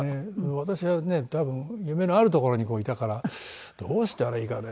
私はね多分夢のある所にいたからどうしたらいいかね？